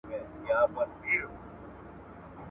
غواړم له شونډو دي پلمې په شپه کي وتښتوم ,